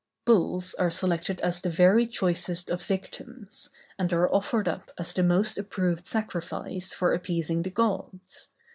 Bulls are selected as the very choicest of victims, and are offered up as the most approved sacrifice for appeasing the gods.